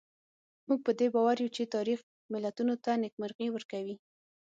موږ په دې باور یو چې تاریخ ملتونو ته نېکمرغي ورکوي.